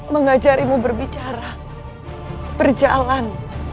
mengajarimu berbicara berjalan